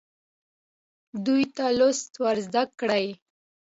دوی ته لوست ورزده کړئ.